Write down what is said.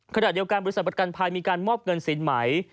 ขณะเดียวกันบริษัทประกันภัยมีการมอบเงินสินใหม่